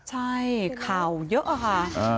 ใช่ข่าวเยอะอะค่ะ